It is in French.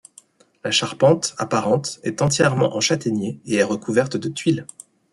La charpente, apparente, est entièrement en châtaigner et est recouverte de tuiles.